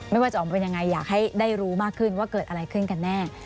ไม่ว่าจะออกมาเป็นยังไงอยากให้ได้รู้มากขึ้นว่าเกิดอะไรขึ้นกันแน่